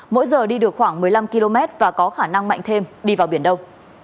mỗi giờ đi được khoảng một mươi năm km và có khả năng mạnh thêm đi vào biển đông